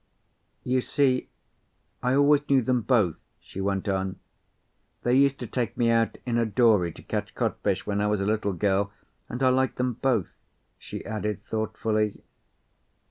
"You see, I always knew them both," she went on. "They used to take me out in a dory to catch codfish when I was a little girl, and I liked them both," she added thoughtfully.